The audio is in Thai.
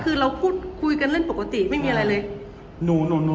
คือเราพูดคุยกันเล่นปกติไม่มีอะไรเลย